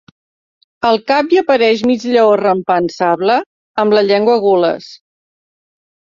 Al cap hi apareix mig lleó rampant sable, amb la llengua gules.